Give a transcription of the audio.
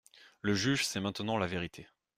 Le juge sait maintenant la vérité.